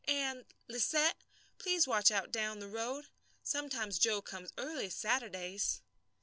And, Lisette, please watch out down the road. Sometimes Joe comes early Saturdays."